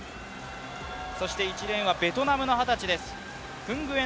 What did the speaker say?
そして１レーンはベトナムの二十歳です。